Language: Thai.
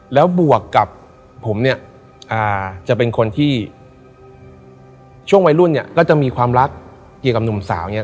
แล้วบวกกับผมเนี่ยจะเป็นคนที่ช่วงวัยรุ่นเนี่ยก็จะมีความรักเกี่ยวกับหนุ่มสาวเนี่ย